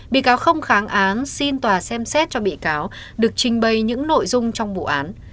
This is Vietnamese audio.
bị cáo không kháng án xin tòa xem xét cho bị cáo được trình bày những nội dung trong vụ án